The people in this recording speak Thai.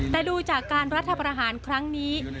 แต่ดูจากการรัฐประหารครั้งนี้